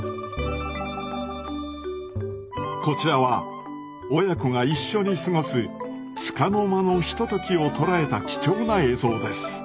こちらは親子が一緒に過ごすつかの間のひとときを捉えた貴重な映像です。